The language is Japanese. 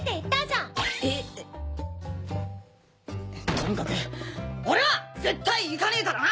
とにかく俺は絶対行かねえからな！